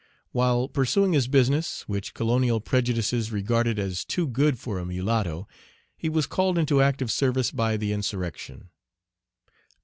While pursuing his business, which colonial prejudices regarded as too good for a mulatto, he was called into active service by the insurrection.